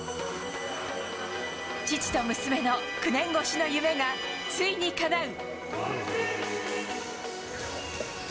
父と娘の９年越しの夢が、ついにかなう。